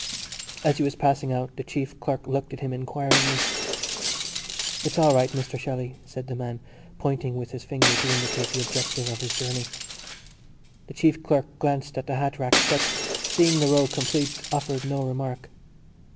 As he was passing out the chief clerk looked at him inquiringly. "It's all right, Mr Shelley," said the man, pointing with his finger to indicate the objective of his journey. The chief clerk glanced at the hat rack but, seeing the row complete, offered no remark.